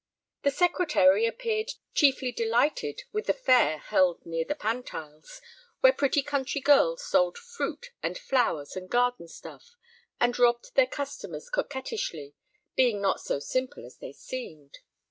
The Secretary appeared chiefly delighted with the fair held near The Pantiles, where pretty country girls sold fruit and flowers and garden stuff, and robbed their customers coquettishly, being not so simple as they seemed.